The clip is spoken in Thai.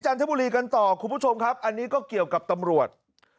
ทบุรีกันต่อคุณผู้ชมครับอันนี้ก็เกี่ยวกับตำรวจ